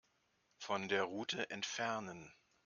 Von der Route entfernen.